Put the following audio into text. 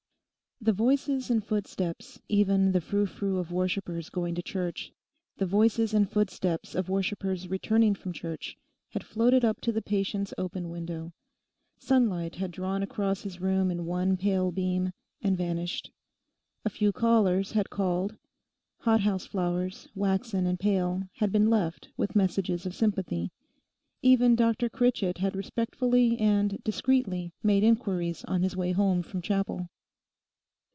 The voices and footsteps, even the frou frou_ of worshippers going to church, the voices and footsteps of worshippers returning from church, had floated up to the patient's open window. Sunlight had drawn across his room in one pale beam, and vanished. A few callers had called. Hothouse flowers, waxen and pale, had been left with messages of sympathy. Even Dr Critchett had respectfully and discreetly made inquiries on his way home from chapel.